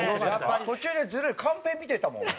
途中でずるいカンペ見てたもん。